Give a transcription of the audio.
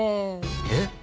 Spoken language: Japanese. えっ！？